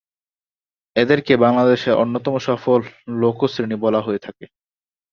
এদেরকে বাংলাদেশের অন্যতম সফল লোকো শ্রেণী বলা হয়ে থাকে।